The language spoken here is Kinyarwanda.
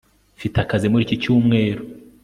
Mfite akazi muri iki cyumweru